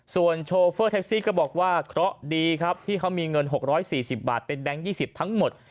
ส่วนโชเฟอร์แท็กซี่ก็บอกว่าเพราะดีครับที่เขามีเงินหกร้อยสี่สิบบาทเป็นแบงค์ยี่สิบทั้งหมด